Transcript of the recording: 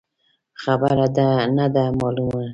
خبره نه ده مالونه.